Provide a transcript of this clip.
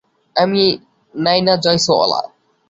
আমি নায়না জয়সওয়াল।